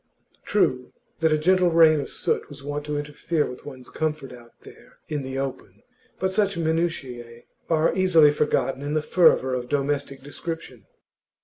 True that a gentle rain of soot was wont to interfere with one's comfort out there in the open, but such minutiae are easily forgotten in the fervour of domestic description.